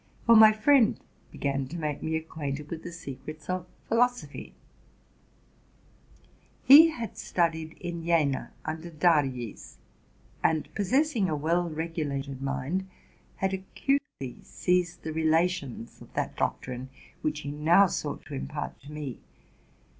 For my friend began to make me acquainted with the secrets of philosophy. 'He had studied in Jena, under Daries, and, possessing a well regulated mind, had acutely seized the relations of that doctrine, which he now sought to impart to me.